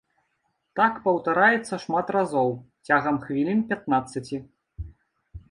Так паўтараецца шмат разоў, цягам хвілін пятнаццаці.